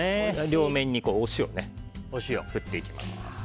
両面にお塩を振っていきます。